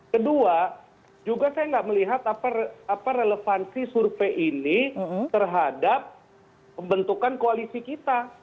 kedua juga saya nggak melihat relevansi survei ini terhadap pembentukan koalisi kita